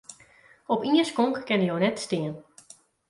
Op ien skonk kinne jo net stean.